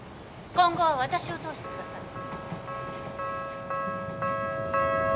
今後は私を通してください。